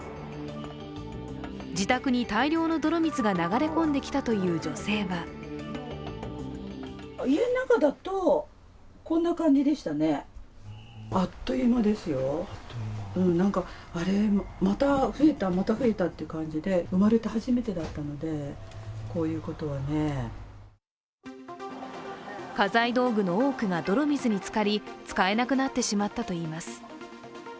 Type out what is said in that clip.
自宅に大量の泥水が流れ込んできたという女性は家財道具の多くが泥水につかり使えなくなってしまったといいます。